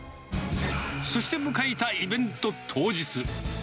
そして迎えたイベント当日。